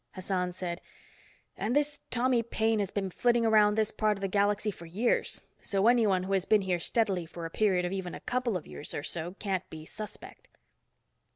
Hassan said, "And this Tommy Paine has been flitting around this part of the galaxy for years, so anyone who has been here steadily for a period of even a couple of years or so, can't be suspect."